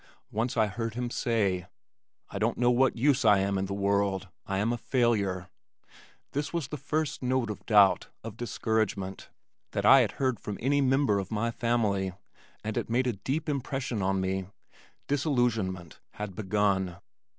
Once I heard him say, "I don't know what use I am in the world. I am a failure." This was the first note of doubt, of discouragement that I had heard from any member of my family and it made a deep impression on me. Disillusionment had begun.